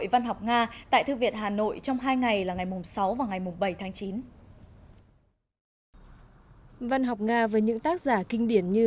văn học nga với những tác giả kinh điển như